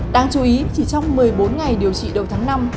đáng chú ý chỉ trong một mươi bốn ngày điều trị đầu tháng năm